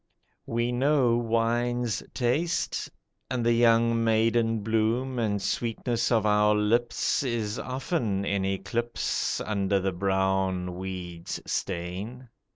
We know wine's taste; And the young maiden bloom and sweetness of our lips Is often in eclipse Under the brown weed's stain.